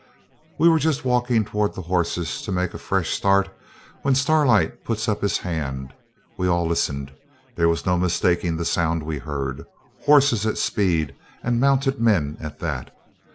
We were just walking towards the horses to make a fresh start, when Starlight puts up his hand. We all listened. There was no mistaking the sound we heard horses at speed, and mounted men at that.